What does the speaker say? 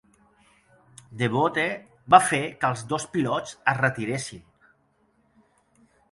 Devote va fer que els dos pilots es retiressin.